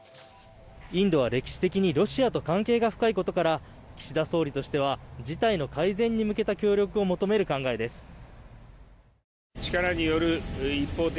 インドは歴史的にロシアと関係が深いことから岸田総理としては事態の改善に向けた協力を求める考えです。